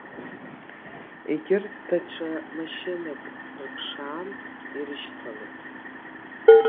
Егьырҭ даҽа машьынак рԥшаан, ирышьҭалеит.